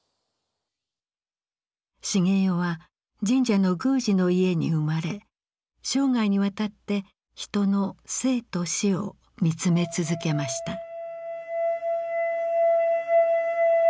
しげよは神社の宮司の家に生まれ生涯にわたって人の生と死を見つめ続けました。